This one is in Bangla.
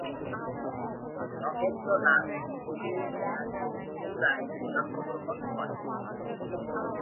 নগেন্দ্রনাথ হুগলী জেলার চুচুড়ায় জন্মগ্রহণ করেন।